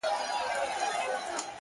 اختر نژدې دی ـ